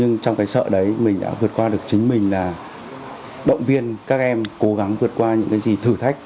nhưng trong cái sợ đấy mình đã vượt qua được chính mình là động viên các em cố gắng vượt qua những cái gì thử thách